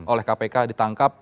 oleh kpk ditangkap